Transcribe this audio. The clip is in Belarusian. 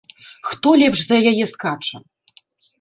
Хто лепш за яе скача!